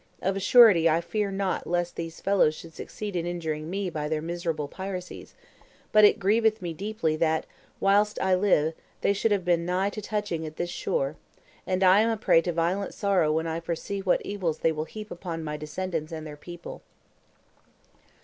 Of a surety I fear not lest these fellows should succeed in injuring me by their miserable piracies; but it grieveth me deeply that, whilst I live, they should have been nigh to touching at this shore, and I am a prey to violent sorrow when I foresee what evils they will heap upon my descendants and their people.